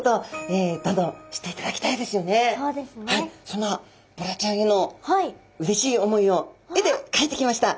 そんなボラちゃんへのうれしい思いを絵でかいてきました。